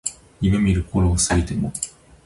夢見る頃を過ぎても